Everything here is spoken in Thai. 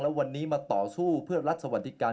แล้ววันนี้มาต่อสู้เพื่อรัฐสวัสดิการ